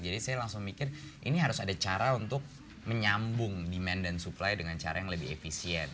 jadi saya langsung mikir ini harus ada cara untuk menyambung demand dan supply dengan cara yang lebih efisien